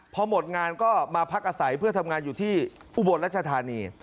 พอหมดงานก็มาพักอาศัยเพื่อทำงานอยู่ที่อุบลรัชธานี